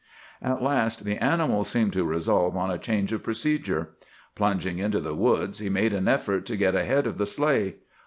"At last the animal seemed to resolve on a change of procedure. Plunging into the woods, he made an effort to get ahead of the sleigh.